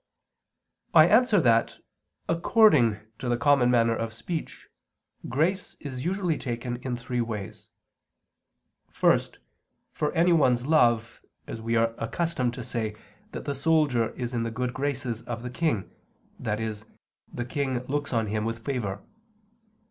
I answer that, According to the common manner of speech, grace is usually taken in three ways. First, for anyone's love, as we are accustomed to say that the soldier is in the good graces of the king, i.e. the king looks on him with favor.